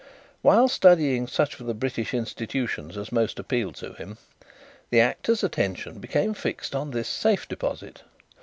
While studying such of the British institutions as most appealed to him, the 'Actor's' attention became fixed on this safe deposit.